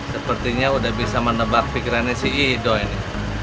sepertinya udah bisa menebak pikirannya si ido ini